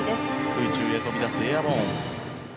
空中へ飛び出すエアボーン。